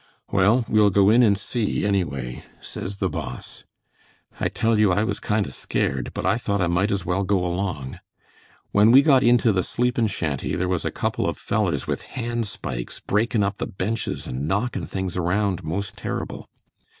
'Well, we'll go in and see, anyway,' says the Boss. I tell you I was kind o' scared, but I thought I might as well go along. When we got into the sleepin' shanty there was a couple of fellers with hand spikes breakin' up the benches and knockin' things around most terrible.